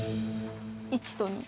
１と２。